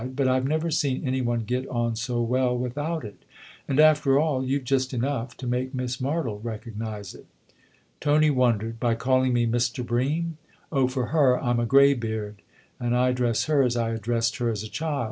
" But I've never seen any one get on so well without it; and, after all, you've just enough to make Miss Martle recognise it." Tony wondered. " By calling me ' Mr. Bream '? Oh, for her I'm a greybeard and I address her as I addressed her as a child.